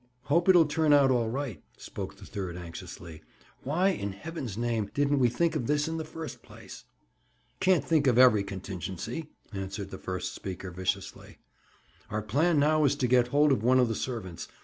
"Hope it'll turn out all right," spoke the third anxiously. "Why, in heaven's name, didn't we think of this in the first place?" "Can't think of every contingency!" answered the first speaker viciously. "Our plan now is to get hold of one of the servants.